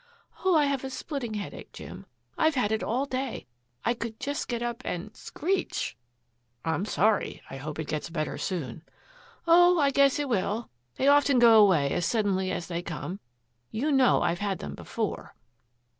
"Oh, I have a splitting headache, Jim. I've had it all day. I could just get up and screech!" "I'm sorry. I hope it gets better soon." "Oh, I guess it will. They often go away as suddenly as they come. You know I've had them before."